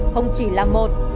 không chỉ là một